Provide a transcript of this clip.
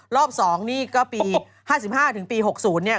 รอบ๒นี่ก็ปี๕๕ถึงปี๖๐เนี่ย